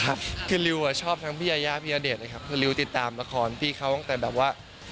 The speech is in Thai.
แบบที่ริวข่อชอบอักษปียยยะเดชน์แบบค้าลิ้วติดตามราคอนพี่เขาอ่องแต่แบบว่า